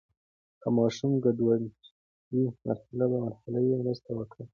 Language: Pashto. که ماشوم ګډوډ وي، مرحلې په مرحله یې مرسته وکړئ.